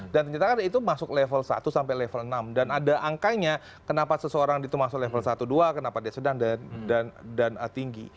dan ternyata kan itu masuk level satu sampai level enam dan ada angkanya kenapa seseorang itu masuk level satu dua kenapa dia sedang dan tinggi